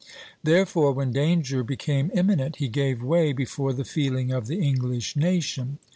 Therefore, when danger became imminent, he gave way before the feeling of the English nation.